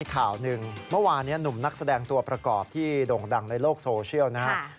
ข่าวหนึ่งเมื่อวานนี้หนุ่มนักแสดงตัวประกอบที่โด่งดังในโลกโซเชียลนะครับ